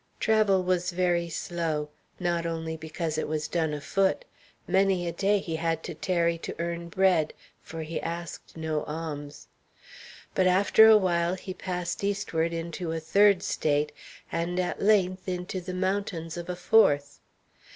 Travel was very slow. Not only because it was done afoot. Many a day he had to tarry to earn bread, for he asked no alms. But after a while he passed eastward into a third State, and at length into the mountains of a fourth.